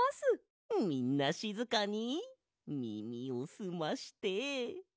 みんなしずかにみみをすまして。